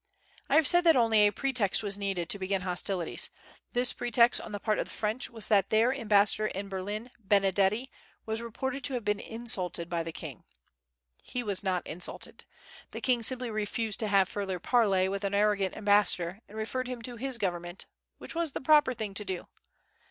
I have said that only a pretext was needed to begin hostilities. This pretext on the part of the French was that their ambassador to Berlin, Benedetti, was reported to have been insulted by the king. He was not insulted. The king simply refused to have further parley with an arrogant ambassador, and referred him to his government, which was the proper thing to do.